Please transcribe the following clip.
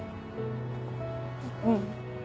うん。